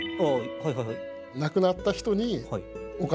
はいはいはい。